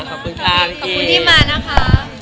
ขอบคุณที่มานะคะ